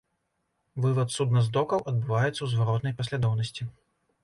Вывад судна з докаў адбываецца ў зваротнай паслядоўнасці.